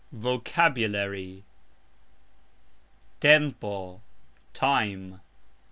VOCABULARY. tempo : time.